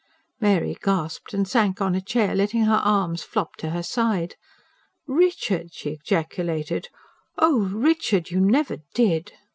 Mary gasped and sank on a chair, letting her arms flop to her side. "Richard!" she ejaculated. "Oh, Richard, you never did!"